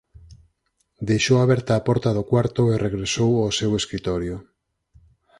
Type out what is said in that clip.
Deixou aberta a porta do cuarto e regresou ao seu escritorio.